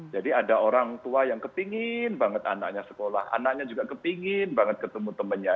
jadi ada orang tua yang kepingin banget anaknya sekolah anaknya juga kepingin banget ketemu temennya